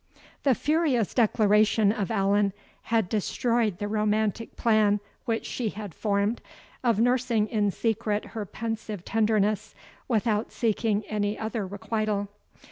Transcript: The furious declaration of Allan had destroyed the romantic plan which she had formed, of nursing in secret her pensive tenderness, without seeking any other requital.